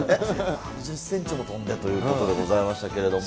７０センチも跳んでということでございましたけれども。